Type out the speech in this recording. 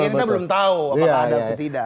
ini kita belum tahu apakah ada atau tidak